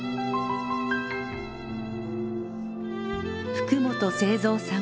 福本清三さん。